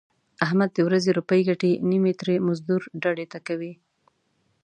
احمد د ورځې روپۍ ګټي نیمې ترې مزدور ډډې ته کوي.